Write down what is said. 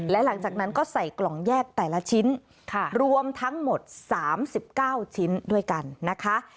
และหลังจากนั้นก็ใส่กล่องแยกแต่ละชิ้นรวมทั้งหมด๓๙ชิ้นด้วยกันนะคะ